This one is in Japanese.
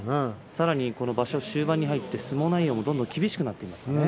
さらに、この場所終盤に入って相撲内容がどんどん厳しくなっていますね。